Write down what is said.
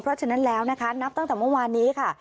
เพราะฉะนั้นแล้วนะคะนับตั้งแต่เมื่อวานนี้ค่ะ